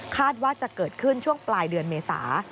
ว่าจะเกิดขึ้นช่วงปลายเดือนเมษา